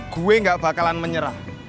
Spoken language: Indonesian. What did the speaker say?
gue gak bakalan menyerah